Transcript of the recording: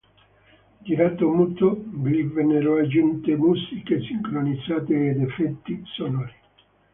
Girato muto, gli vennero aggiunte musiche sincronizzate ed effetti sonori.